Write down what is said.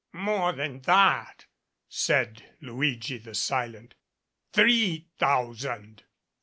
"More than that," said Luigi the silent, "three thou sand."